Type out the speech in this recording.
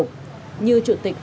như chủ tịch hồ chí minh đã từng nói